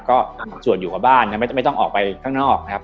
ก็สวดอยู่กับบ้านไม่ต้องออกไปข้างนอกครับ